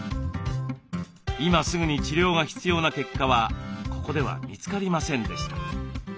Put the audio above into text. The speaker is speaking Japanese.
今すぐに治療が必要な結果はここでは見つかりませんでした。